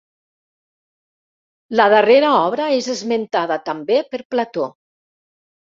La darrera obra és esmentada també per Plató.